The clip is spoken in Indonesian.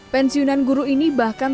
pensiunan guru ini bahkan